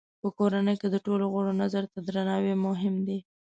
په کورنۍ کې د ټولو غړو نظر ته درناوی مهم دی.